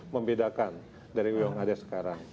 membedakan dari yang ada sekarang